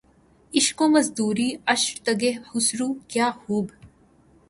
عشق و مزدوریِ عشر تگہِ خسرو‘ کیا خوب!